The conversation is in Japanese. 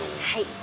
はい。